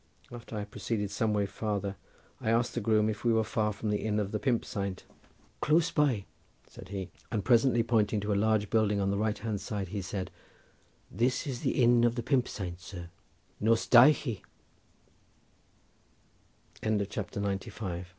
After proceeding some way farther I asked the groom if we were far from the inn of the "Pump Saint." "Close by," said he, and presently pointing to a large building on the right hand side he said: "This is the inn of the 'Pump Saint,' sir. Nos Da'chi!"